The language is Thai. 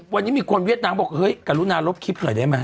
วันนี้มีคนเวียดนามบอกเฮ้ยกรุณาลบคลิปหน่อยได้ไหม